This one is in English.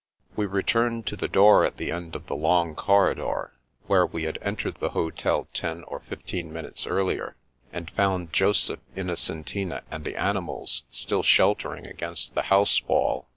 We returned to the door at the end of the long corridor, where we had entered the hotel ten or fif teen minutes earlier, and found Joseph, Innocentina, and the animals still sheltering against the house wall.